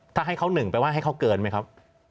ถ้าให้เขา๑แปลว่าให้เขาเกินไหมครับ